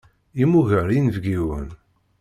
Yemmuger inebgiwen.